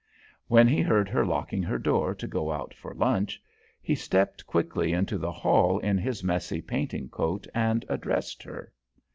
When he heard her locking her door to go out for lunch, he stepped quickly into the hall in his messy painting coat, and addressed her.